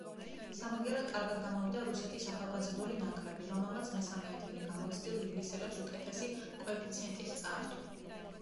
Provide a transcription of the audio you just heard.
სამაგიეროდ კარგად გამოვიდა რუსეთის ახალგაზრდული ნაკრები, რომელმაც მესამე ადგილი გამოცდილ ინგლისელებს უკეთესი კოეფიციენტით წაართვა.